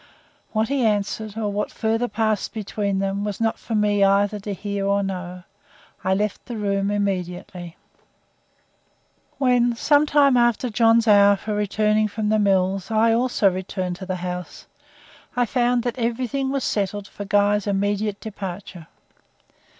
What he answered, or what further passed between them, was not for me either to hear or to know. I left the room immediately. When, some time after John's hour for returning from the mills, I also returned to the house, I found that everything was settled for Guy's immediate departure.